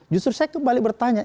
justru saya kembali bertanya